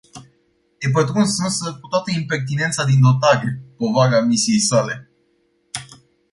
E pătruns însă, cu toată impertinența din dotare, povara misiei sale.